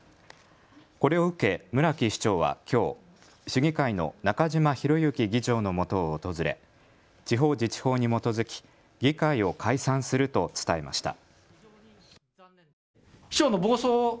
これを受け村木市長はきょう市議会の中嶋博幸議長のもとを訪れ、地方自治法に基づき議会を解散すると伝えました。